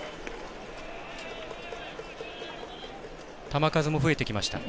球数も増えてきました。